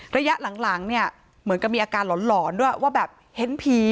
ระยะหลังเนี่ยเหมือนกับมีอาการหลอนด้วยว่าแบบเห็นผี